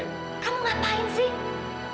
kamu ngapain sih